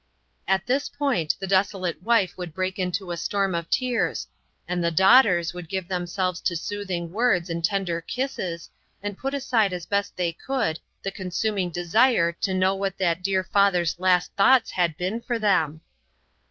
At this point the desolate wife would break into a storm of tears, and the daugh ters would give themselves to soothing words and tender kisses, and put aside as best they could the consuming desire to know what that dear father's last thoughts had been for them.